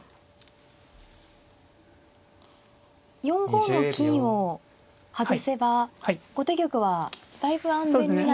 ４五の金を外せば後手玉はだいぶ安全になるんですね。